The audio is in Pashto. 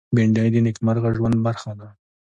بېنډۍ د نېکمرغه ژوند برخه ده